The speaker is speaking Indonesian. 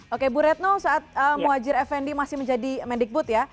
oke bu retno saat muajir effendi masih menjadi mendikbud ya